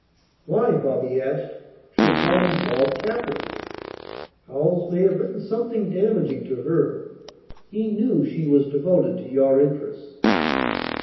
"Why," Bobby asked, "should that involve Katherine?" "Howells may have written something damaging to her. He knew she was devoted to your interests."